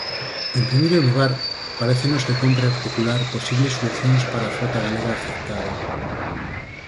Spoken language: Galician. En primeiro lugar, parécenos que cómpre articular posibles solucións para a frota galega afectada.